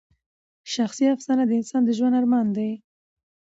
شخصي افسانه د انسان د ژوند ارمان دی.